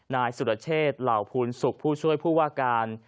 นายสุรเชษเหล่าภูลศุกร์ผู้ช่วยผู้ว่าการ